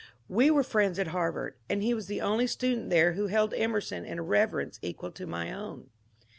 We were friends at Harvard, and he was the only student there who held Emerson in a reverence equal to my own.